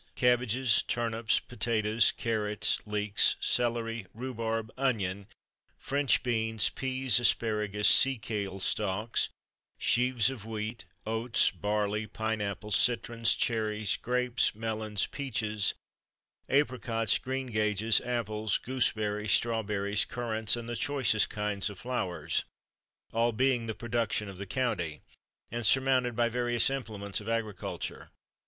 cabbages, turnips, potatoes, carrots, leeks, celery, rhubarb, onions, French beans, peas, asparagus, sea kale stalks; sheaves of wheat, oats, barley; pine apples, citrons, cherries, grapes, melons, peaches, apricots, greengages, apples, gooseberries, strawberries, currants, and the choicest kinds of flowers all being the production of the county and surmounted by various implements of agriculture.